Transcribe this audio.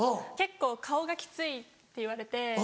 結構顔がきついって言われて。